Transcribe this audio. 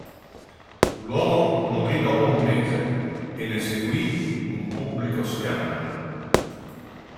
L'uomo morì dopo un mese e ne seguì un pubblico scandalo.